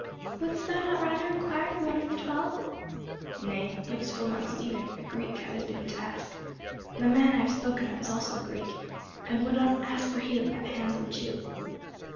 "Wouldst thou not rather inquire for one of the twelve?" "Nay, it was for one Stephen, a Greek, I was bidden to ask. The man I have spoken of is also a Greek, and would not ask for healing at the hands of a Jew."